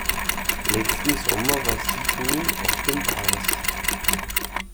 Letzten Sommer war Sigrun auf dem Darß.